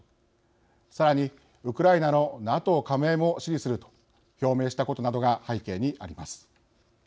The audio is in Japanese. さらにウクライナのＮＡＴＯ加盟も支持すると表明したことなどが背景にあります。